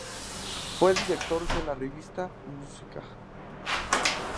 Fue director de la revista "Música".